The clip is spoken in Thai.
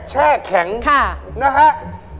แช่แข็งนะครับ